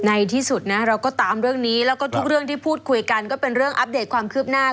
ในที่สุดนะเราก็ตามเรื่องนี้แล้วก็ทุกเรื่องที่พูดคุยกันก็เป็นเรื่องอัปเดตความคืบหน้า